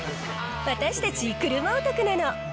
私たち、車オタクなの。